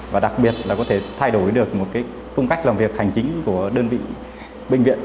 và đặc biệt là có thể thay đổi được một công cách làm việc hành chính của đơn vị bệnh viện